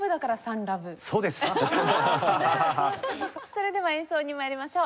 それでは演奏に参りましょう。